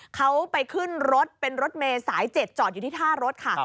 เขาไปขึ้นรถเป็นรถเมย์สาย๗จอดอยู่ที่ท่ารถค่ะ